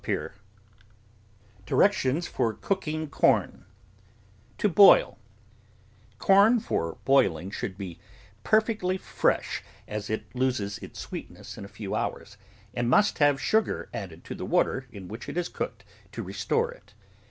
Dep't of A^i^^ ''''^' THE GROWING OF VARIOUS VEGETABLES DIRECTIONS FOR COOKING CORN TO BOIL Corn for boiling should be perfectly fresh, as it loses its sweetness in a few hours, and must have sugar added to the water in which it is cooked to restore it.